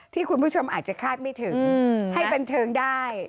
ที่คุณผู้ชมอาจจะคาดไม่ถึงให้บันเทิงได้